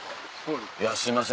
いやすいません